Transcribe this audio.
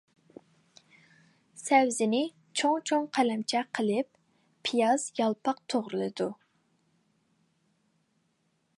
سەۋزىنى چوڭ-چوڭ قەلەمچە قىلىپ، پىياز يالپاق توغرىلىدۇ.